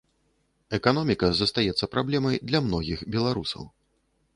Эканоміка застаецца праблемай для многіх беларусаў.